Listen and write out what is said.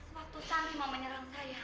waktu santi ingin menyerang saya